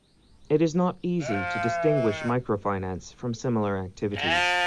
It is not easy to distinguish microfinance from similar activities.